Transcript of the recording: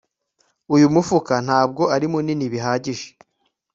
Uyu mufuka ntabwo ari munini bihagije